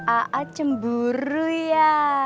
a'a cemburu ya